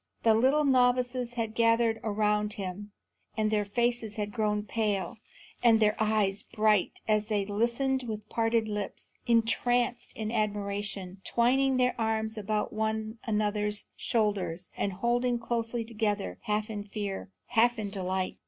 The little novices had gathered around him, and their faces had grown pale and their eyes bright as they listened with parted lips, entranced in admiration, twining their arms about one another's shoulders and holding closely together, half in fear, half in delight.